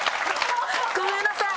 ごめんなさい！